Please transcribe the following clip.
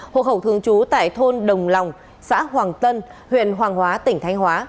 hộ khẩu thường trú tại thôn đồng lòng xã hoàng tân huyện hoàng hóa tỉnh thanh hóa